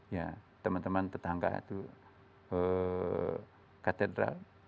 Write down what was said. ya teman teman tetangga itu katedral